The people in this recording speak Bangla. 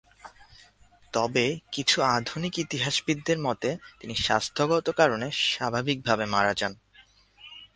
তবে কিছু আধুনিক ইতিহাসবিদদের মতে তিনি স্বাস্থ্যগত কারণে স্বাভাবিকভাবে মারা যান।